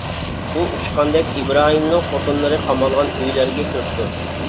ئۇ ئۇچقاندەك ئىبراھىمنىڭ خوتۇنلىرى قامالغان ئۆيلەرگە كىرىپتۇ.